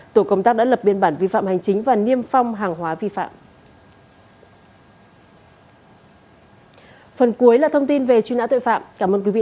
tổ công tác đã lập biên bản vi phạm hành chính và niêm phong hàng hóa vi phạm